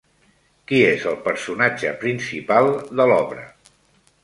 Qui és el personatge principal de l'obra?